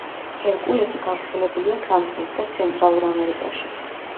ჰერკულესი გავრცელებულია სამხრეთ და ცენტრალურ ამერიკაში.